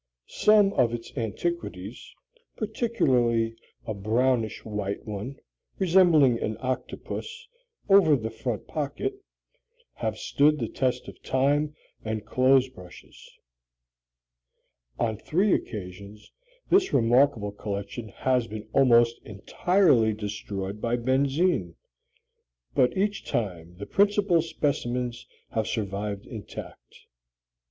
Some of its antiques particularly a brownish white one, resembling an octopus, over the front pocket have stood the test of time and clothes brushes. On three occasions this remarkable collection has been almost entirely destroyed by benzine, but each time the principal specimens have survived intact.